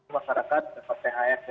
masyarakat dapat thr dari jawa timur